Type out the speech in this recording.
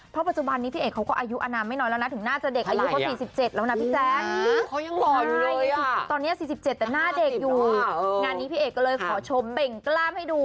งานนี้พี่เอกก็เลยขอชมเบ่งกล้ามให้ดู